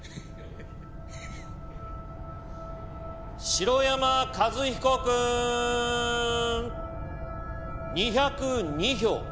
城山和彦くん。２０２票。